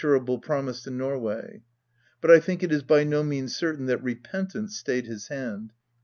xii INTRODUCTION able promise to Norway, but I think it by no means cer tain that repentance stayed his hand.